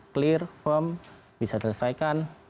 clear firm bisa diselesaikan